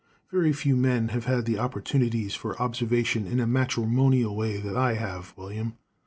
"Very few men have had the opportunities for observation in a matrimonial way that I have, William.